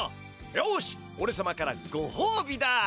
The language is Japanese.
よしおれさまからごほうびだ！